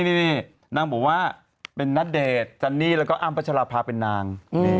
นี่นางบอกว่าเป็นณเดชน์จันนี่แล้วก็อ้ำพัชราภาเป็นนาง